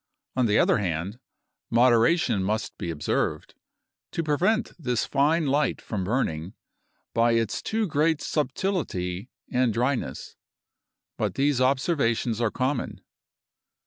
On the other hand, moderation must be observed, to prevent this fine light from burning, by its too great subtility and dryness. But these observations are common.